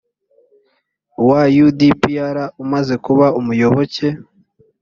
wa u d p r umaze kuba umuyoboke